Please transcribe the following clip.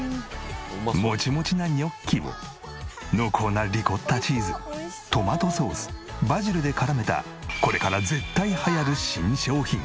モチモチなニョッキを濃厚なリコッタチーズトマトソースバジルで絡めたこれから絶対流行る新商品。